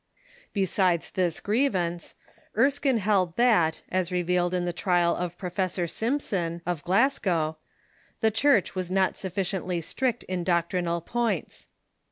Besides this grievance, Erskine held that, as revealed in the trial of Pro fessor Simson, of Glasgow, the Church was not sufficiently strict in doctrinal points.